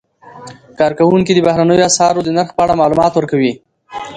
کارکوونکي د بهرنیو اسعارو د نرخ په اړه معلومات ورکوي.